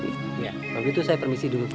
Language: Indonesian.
iya kalau gitu saya permisi dulu